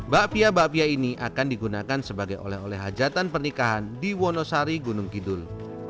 bapia bapia ini akan digunakan sebagai oleh oleh hajatan pernikahan di wonosari gunung kidul